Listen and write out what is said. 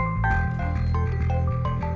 saya berada di jepang